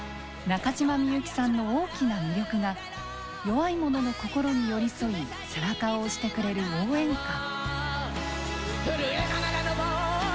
中島みゆきさんの大きな魅力が弱いものの心に寄り添い背中を押してくれる「応援歌」。